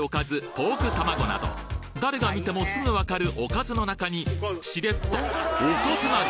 ポークたまごなど誰が見てもすぐわかる「おかず」の中にしれっと「おかず」なる